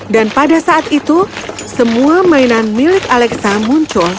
dan pada saat itu semua mainan milik alexamun sudah selesai